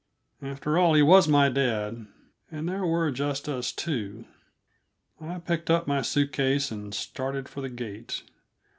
After all, he was my dad, and there were just us two. I picked up my suit case and started for the gate.